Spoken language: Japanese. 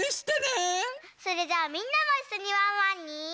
それじゃあみんなもいっしょにワンワンに。